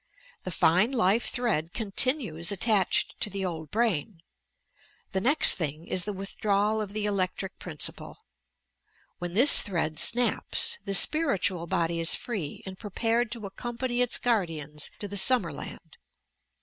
The fine life thread continues attached to the old brain. The next thing is the withdrawal of the electric princi ple. When this thread snaps, the spiritual body is free and prepared to accompany its guardians to the Sum merland.